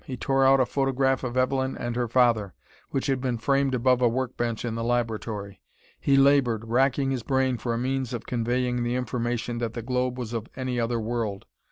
He tore out a photograph of Evelyn and her father, which had been framed above a work bench in the laboratory. He labored, racking his brain for a means of conveying the information that the globe was of any other world....